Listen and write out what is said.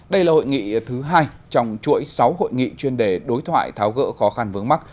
đây là hội nghị thứ hai trong chuỗi sáu hội nghị chuyên đề đối thoại tháo gỡ khó khăn vướng mắt